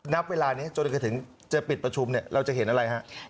นับเวลานี้จนกระถึงจะปิดประชุมเราจะเห็นอะไรครับ